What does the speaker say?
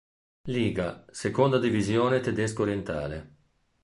Liga, seconda divisione tedesco orientale.